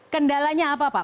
kendalanya apa pak